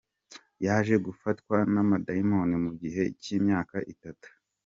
Yaje gufatwa n’amadayimoni mu gihe cy’imyaka itatu.